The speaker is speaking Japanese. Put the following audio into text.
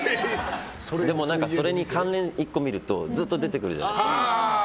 でも、それに関連して１個見るとずっと出てくるじゃないですか。